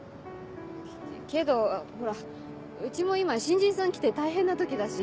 けどほらうちも今新人さん来て大変な時だし。